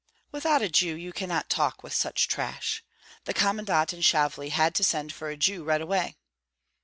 "Without a Jew you cannot talk with such trash. The commandant in Shavli had to send for a Jew right away."